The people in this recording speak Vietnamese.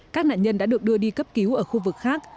các nạn nhân đã được đưa đi cấp cứu ở khu vực khác